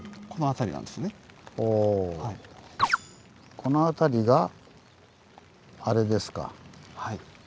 この辺りがあれですか。